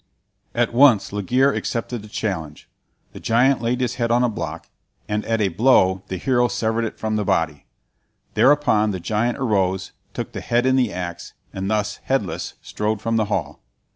At once Laegire accepted the challenge. The giant laid his head on a block, and at a blow the hero severed it from the body. Thereupon the giant arose, took the head and the axe, and thus, headless, strode from the hall.